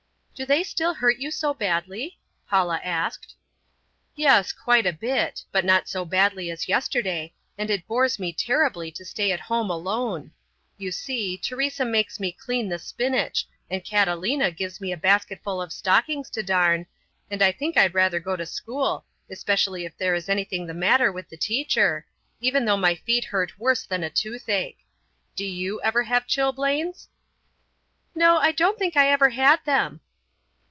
"Do they still hurt you so badly," Paula asked. "Yes, quite a bit; but not so badly as yesterday, and it bores me terribly to stay at home alone. You see, Teresa makes me clean the spinach, and Catalina gives me a basketful of stockings to darn, and I think I'd rather go to school, especially if there is anything the matter with the teacher, even though my feet hurt worse than a toothache. Do you ever have chilblains?" "No, I don't think I ever had them."